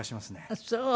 あっそう。